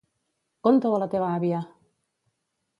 Conta-ho a la teva àvia!